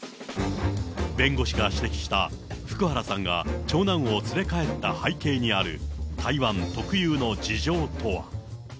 弁護士が指摘した、福原さんが長男を連れ帰った背景にある台湾特有の事情とは。